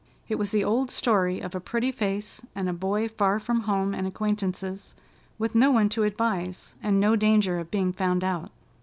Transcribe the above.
It was the old story of a pretty face, and a boy far from home and acquaintances, with no one to advise, and no danger of being found out.